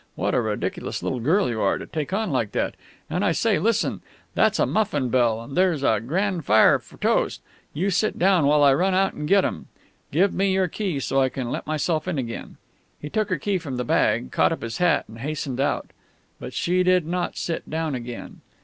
What a ridiculous little girl you are, to take on like that!... And I say, listen! That's a muffin bell, and there's a grand fire for toast! You sit down while I run out and get 'em. Give me your key, so I can let myself in again " He took her key from her bag, caught up his hat, and hastened out. But she did not sit down again.